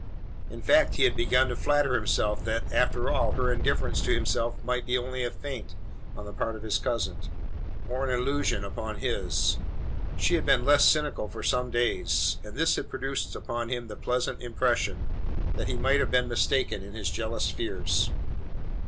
In fact, he had begun to flatter himself, that, after all, her indifference to himself might be only a feint on the part of his cousin, or an illusion upon his. She had been less cynical for some days; and this had produced upon him the pleasant impression, that he might have been mistaken in his jealous fears.